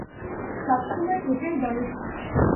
সব সময় এটাই বলে সে।